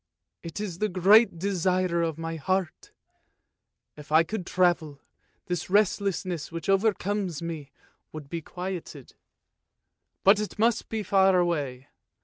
It is the great desire of my heart! If I could travel, this restlessness which comes over me would be quieted. But it must be far away